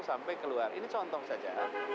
sampai keluar ini contoh saja